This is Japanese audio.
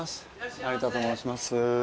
成田と申します。